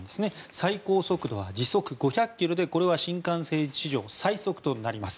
最高速度は時速５００キロで新幹線史上最速となります。